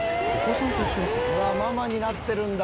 ママになってるんだ。